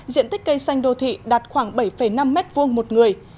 diện tích cây xanh đô thị đạt khoảng bảy năm m hai một người